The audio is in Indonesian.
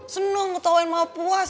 seneng ketawain mama puas